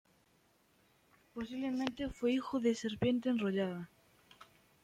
Posiblemente fue hijo de Serpiente Enrollada.